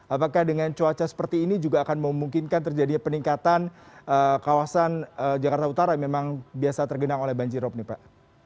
apakah dengan cuaca seperti ini juga akan memungkinkan terjadinya peningkatan kawasan jakarta utara yang memang biasa tergenang oleh banjirop nih pak